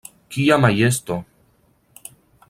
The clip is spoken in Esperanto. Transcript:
Kia majesto!